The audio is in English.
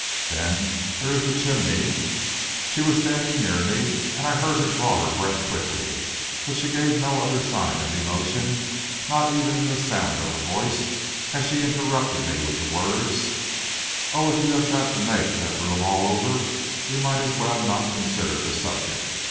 Then there is the chimney " She was standing near me and I heard her draw her breath quickly, but she gave no other sign of emotion, not even in the sound of her voice as she interrupted me with the words: "Oh! if you have got to make the room all over, we might as well not consider the subject.